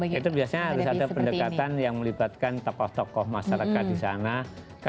itu biasanya harus ada pendekatan yang melibatkan tokoh tokoh masyarakat di sana